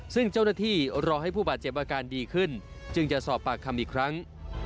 ซึ่งเจ้าหน้าที่รอให้ผู้บาดเจ็บอาการดีขึ้นจึงจะสอบปากคำอีกครั้ง